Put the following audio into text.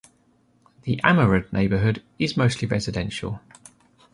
The Ammerud neighborhood is mostly residential.